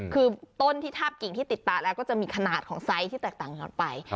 คือต้นที่ทาบกิ่งที่ติดตาแล้วก็จะมีขนาดของไซส์ที่แตกต่างกันไป